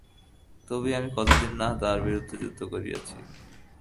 তবু আমি কতদিনই না তাঁহার বিরুদ্ধে যুদ্ধ করিয়াছি।